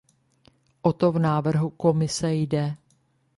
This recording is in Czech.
O to v návrhu Komise jde.